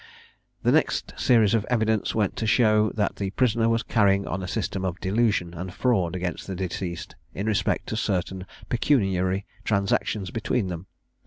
The next series of evidence went to show that the prisoner was carrying on a system of delusion and fraud against the deceased, in respect to certain pecuniary transactions between them.